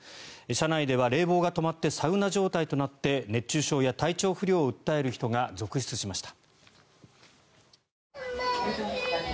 車内では冷房が止まってサウナ状態となって熱中症や体調不良を訴える人が続出しました。